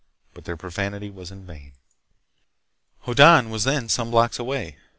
But their profanity was in vain. Hoddan was then some blocks away.